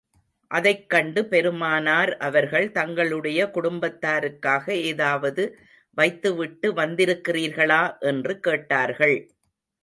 அதைக் கண்டு பெருமானார் அவர்கள், தங்களுடைய குடும்பத்தாருக்காக ஏதாவது வைத்து விட்டு வந்திருக்கிறீர்களா? என்று கேட்டார்கள்.